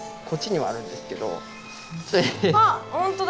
あっ本当だ。